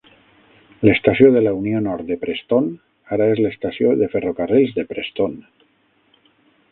L'estació de la Unió Nord de Preston ara és l'estació de ferrocarrils de Preston.